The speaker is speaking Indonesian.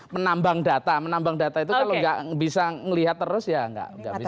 menambang data menambang data itu kalau gak bisa ngelihat terus ya gak bisa